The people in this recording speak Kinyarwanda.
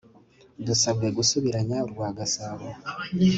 dusabwe gusubiranya urwagasabo